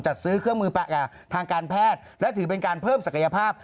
จัดซื้อเครื่องมือทางการแพทย์และถือเป็นการเพิ่มศักยภาพ